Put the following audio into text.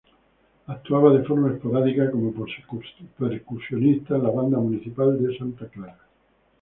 Actuaba de forma esporádica como percusionista en la Banda Municipal de Santa Clara.